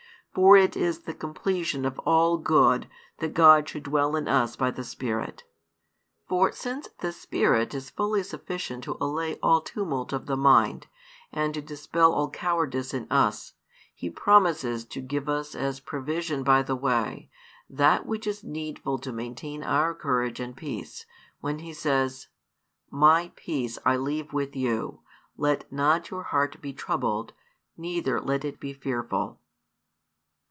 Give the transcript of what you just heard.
For it is the completion of all good that God should dwell in us by the Spirit." For since the Spirit is fully sufficient to allay all tumult of the mind, and to dispel all cowardice in us, He promises to give us as provision by the way, that which is needful to maintain our courage and peace, when He says, My peace I leave with you: let not your heart be troubled, neither let it be fearful.